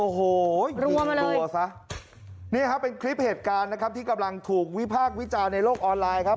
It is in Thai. โอ้โหกลัวซะนี่ครับเป็นคลิปเหตุการณ์นะครับที่กำลังถูกวิพากษ์วิจารณ์ในโลกออนไลน์ครับ